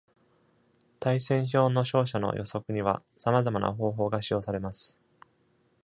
対戦表の勝者の予測には、さまざまな方法が使用されます。